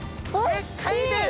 でっかいです！